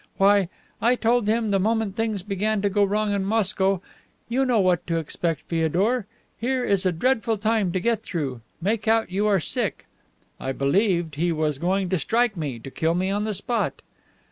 Why, I told him the moment things began to go wrong in Moscow, 'You know what to expect, Feodor. Here is a dreadful time to get through make out you are sick.' I believed he was going to strike me, to kill me on the spot.